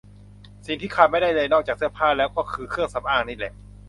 สิ่งที่ขาดไม่ได้เลยนอกจากเสื้อผ้าแล้วก็คือเครื่องสำอางนี่แหละ